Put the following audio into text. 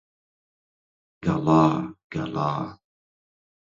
گەڵا گەڵا